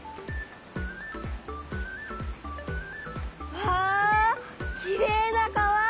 わあきれいな川！